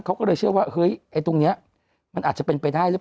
เขาก็เลยเชื่อว่าเฮ้ยไอ้ตรงนี้มันอาจจะเป็นไปได้หรือเปล่า